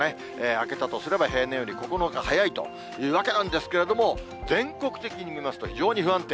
明けたとすれば、平年より９日早いというわけなんですけれども、全国的に見ますと、非常に不安定。